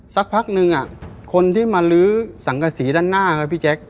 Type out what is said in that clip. สักพักนึงคนที่มาลื้อสังกษีด้านหน้าครับพี่แจ๊ค